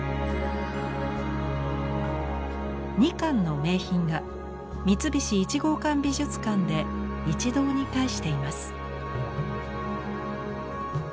２館の名品が三菱一号館美術館で一堂に会しています。